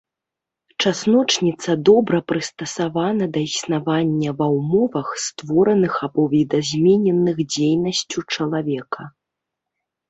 Часночніца добра прыстасавана да існавання ва ўмовах, створаных або відазмененых дзейнасцю чалавека.